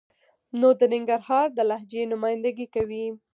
نو د ننګرهار د لهجې نماینده ګي کوي.